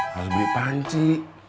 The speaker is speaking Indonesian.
harus beli panci